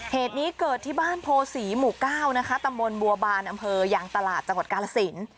เหตุนี้เกิดที่บ้านโพศีหมู่๙นะคะตำบลบัวบานอำเภอยางตลาดจังหวัดกาลสิน